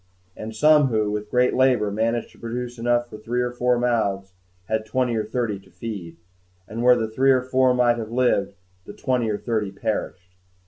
And some who, with great labor, managed to produce enough for three or four mouths, had twenty or thirty to feed; and where the three or four might have lived, the twenty or thirty perished.